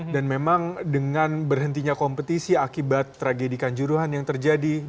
dan memang dengan berhentinya kompetisi akibat tragedikan juruhan yang terjadi